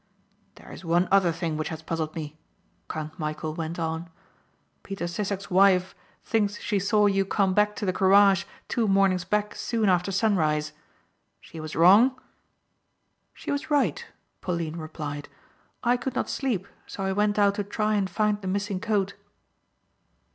"There is one other thing which has puzzled me," Count Michæl went on. "Peter Sissek's wife thinks she saw you come back to the garage two mornings back soon after sunrise. She was wrong?" "She was right," Pauline replied, "I could not sleep so I went out to try and find the missing coat."